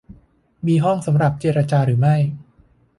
มีห้องสำหรับเจรจาหรือไม่